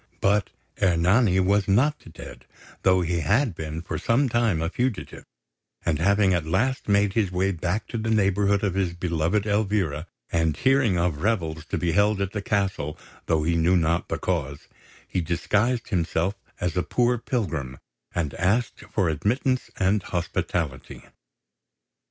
But Ernani was not dead, though he had been for some time a fugitive; and having at last made his way back to the neighbourhood of his beloved Elvira, and hearing of revels to be held at the castle, though he knew not the cause, he disguised himself as a poor pilgrim, and asked for admittance and hospitality.